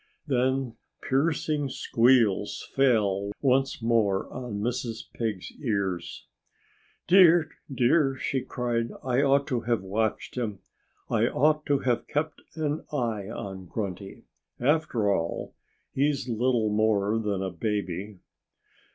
Then piercing squeals fell once more on Mrs. Pig's ears. "Dear! Dear!" she cried. "I ought to have watched him. I ought to have kept an eye on Grunty. After all, he's little more than a baby."